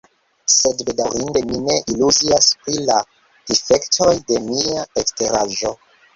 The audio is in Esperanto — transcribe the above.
Sed bedaŭrinde mi ne iluzias pri la difektoj de mia eksteraĵo.